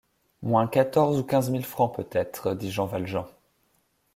Moins quatorze ou quinze mille francs peut-être, dit Jean Valjean.